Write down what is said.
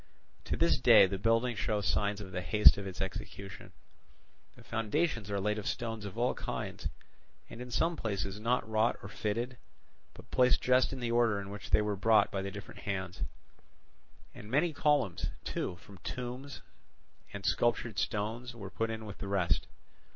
To this day the building shows signs of the haste of its execution; the foundations are laid of stones of all kinds, and in some places not wrought or fitted, but placed just in the order in which they were brought by the different hands; and many columns, too, from tombs, and sculptured stones were put in with the rest.